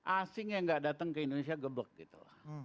asing yang gak datang ke indonesia geblok gitu